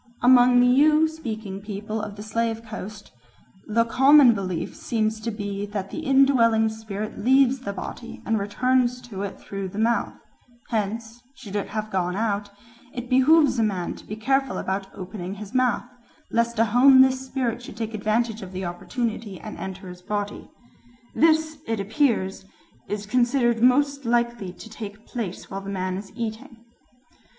Among the Ewe speaking peoples of the Slave Coast "the common belief seems to be that the indwelling spirit leaves the body and returns to it through the mouth; hence, should it have gone out, it behoves a man to be careful about opening his mouth, lest a homeless spirit should take advantage of the opportunity and enter his body. This, it appears, is considered most likely to take place while the man is eating."